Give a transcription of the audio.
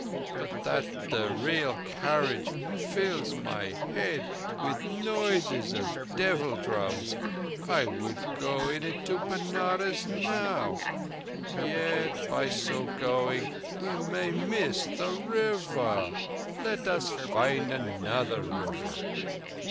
But that the rêl carriage fills my head with noises of devil drums I would go in it to Benares now ... Yet by so going we may miss the River. Let us find another river."